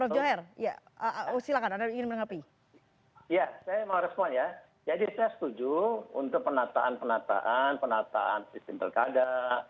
jadi saya setuju untuk penataan penataan sistem berkada